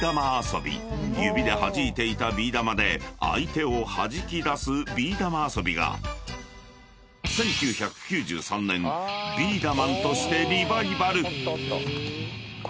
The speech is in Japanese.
［指ではじいていたビー玉で相手をはじき出すビー玉遊びが１９９３年ビーダマンとしてリバイバル］